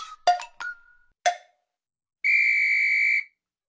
ピッ！